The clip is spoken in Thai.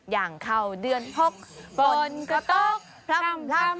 อย่างเข้าเดือน๖ฝนก็ตกพร่ำ